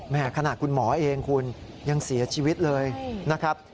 ขนาดคุณหมอเองคุณยังเสียชีวิตเลยนะครับ